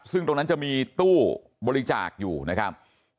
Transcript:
ซึ่งตรงนั้นจะมีตู้บริจาคอยู่นะครับ